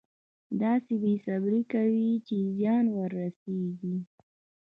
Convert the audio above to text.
داسې بې صبري کوي چې زیان ورسېږي.